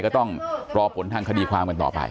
ก็ต้องรอผลทางคดีความกันต่อไป